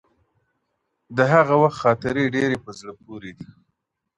د هغه وخت خاطرې ډېرې په زړه پورې دي.